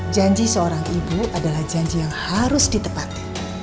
janji seorang ibu adalah janji yang harus ditepati